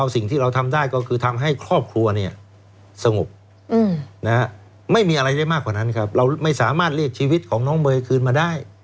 สิ่งที่เราทำได้ก็คือทำให้ครอบครัวเนี่ยสงบไม่มีอะไรได้มากกว่านั้นครับเราไม่สามารถเรียกชีวิตของน้องเมย์คืนมาได้